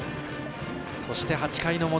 そして８回の表。